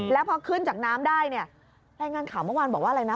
แล้วพอขึ้นจากน้ำได้เนี่ยรายงานข่าวเมื่อวานบอกว่าอะไรนะ